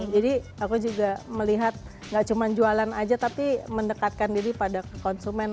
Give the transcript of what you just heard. jadi aku juga melihat gak cuma jualan aja tapi mendekatkan diri pada konsumen